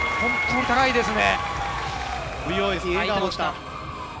本当に高いですね！